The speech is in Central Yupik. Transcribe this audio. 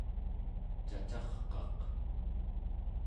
cacarqaq